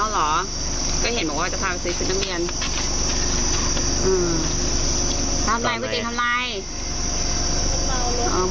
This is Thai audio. แล้วเรารอไหนอะชุดนักเรียนชุดได้เองที่เมืองพฤษฐานแล้ว